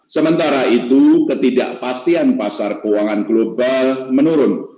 sementara itu ketidakpastian pasar keuangan global menurun